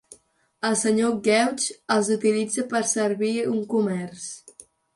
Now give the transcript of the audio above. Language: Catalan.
El senyor Gutch els utilitza per servir un comerç.